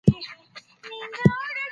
زموږ هېواد به يو صنعتي هېواد وي.